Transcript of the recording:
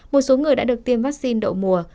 một số người đã được tiêm vaccine đậu mùa